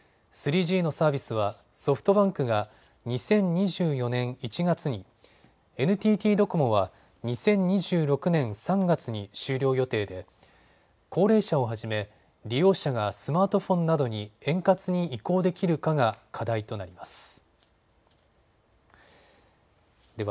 ３Ｇのサービスはソフトバンクが２０２４年１月に、ＮＴＴドコモは２０２６年３月に終了予定で高齢者をはじめ利用者がスマートフォンなどに円滑に移行できるかが課題となります。